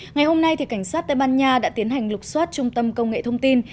ngày hôm nay cảnh sát tây ban nha đã tiến hành lục xoát trung tâm công nghệ thông tin